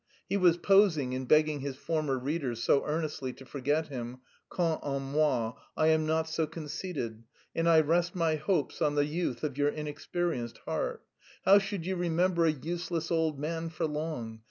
He was posing in begging his former readers so earnestly to forget him; quant à moi, I am not so conceited, and I rest my hopes on the youth of your inexperienced heart. How should you remember a useless old man for long?